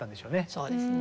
そうですね。